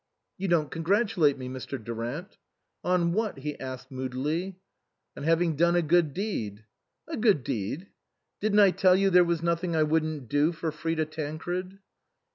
" You don't congratulate me, Mr. Durant." " On what ?" he asked moodily. " On having done a good deed." " A good deed ?"" Didn't I tell you there was nothing I wouldn't do for Frida Tancred?"